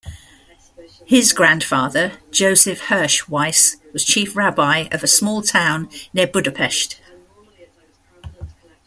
His grandfather, Joseph Hirsch Weiss, was Chief Rabbi of a small town near Budapest.